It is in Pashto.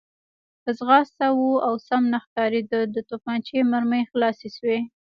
په ځغاسته و او سم نه ښکارېده، د تومانچې مرمۍ خلاصې شوې.